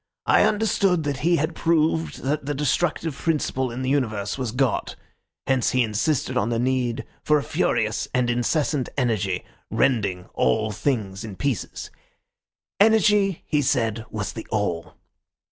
I understood that he had proved that the destructive principle in the universe was God; hence he insisted on the need for a furious and incessant energy, rending all things in pieces. Energy, he said, was the All.